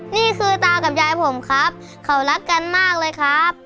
นี่คือตากับยายผมครับเขารักกันมากเลยครับ